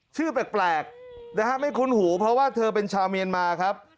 ชื่อแปลกนะฮะไม่คุ้นหูเพราะว่าเธอเป็นชาวเมียนมาครับ